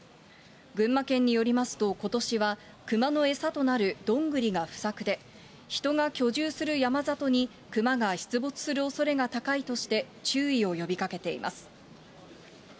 群馬県によりますと、ことしは熊の餌となるどんぐりが不作で、人が居住する山里に熊が出没するおそれが高いとして、注意を呼びかけています。